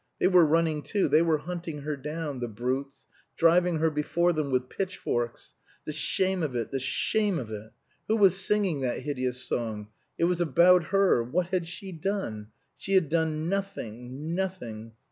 They were running too, they were hunting her down, the brutes, driving her before them with pitchforks. The shame of it, the shame of it! Who was singing that hideous song? It was about her, What had she done? She had done nothing nothing.